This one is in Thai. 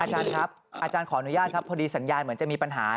อาจารย์ครับอาจารย์ขออนุญาตครับพอดีสัญญาณเหมือนจะมีปัญหา